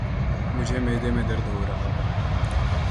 مجھے معدے میں درد ہو رہا ہے۔